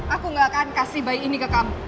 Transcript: aku gak akan kasih bayi ini ke kamu